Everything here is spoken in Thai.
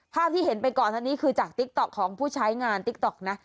ภาพที่เห็นไปก่อนอันนี้คือจากติ๊กต๊อกของผู้ใช้งานติ๊กต๊อกนะ